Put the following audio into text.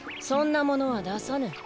そんなものはださぬ。